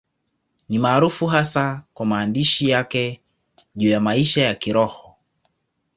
Ni maarufu hasa kwa maandishi yake juu ya maisha ya Kiroho.